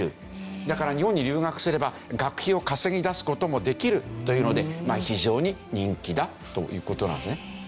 だから日本に留学すれば学費を稼ぎ出す事もできるというので非常に人気だという事なんですね。